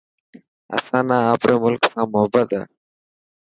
اسان نا آپري ملڪ سان محبت هي.